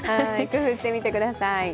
工夫してみてください。